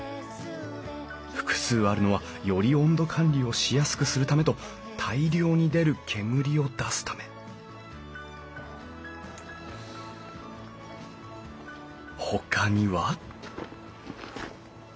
複数あるのはより温度管理をしやすくするためと大量に出る煙を出すためほかには？